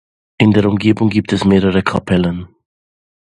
In der Umgebung gibt es mehrere Kapellen.